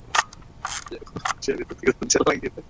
যেন সে ভিতর থেকে দরজা লাগিয়ে দিয়েছে।